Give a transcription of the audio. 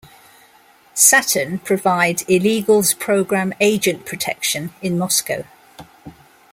Saturn provide illegals program agent protection in Moscow.